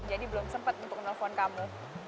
jadi belum sempet untuk nelfon kamu